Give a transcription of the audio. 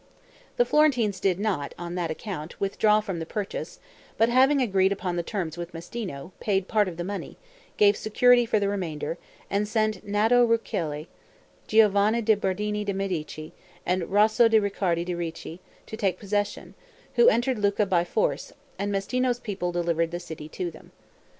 The Florentines did not, on that account, withdraw from the purchase, but having agreed upon the terms with Mastino, paid part of the money, gave security for the remainder, and sent Naddo Rucellai, Giovanni di Bernadino de' Medici, and Rosso di Ricciardo de' Ricci, to take possession, who entered Lucca by force, and Mastino's people delivered the city to them.